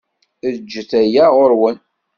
Eǧǧet aya ɣur-wen.